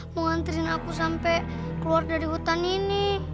mau nganterin aku sampai keluar dari hutan ini